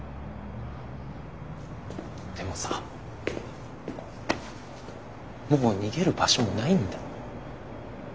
でもさもう逃げる場所もないんだ。